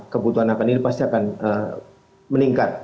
kebutuhan akan ini pasti akan meningkat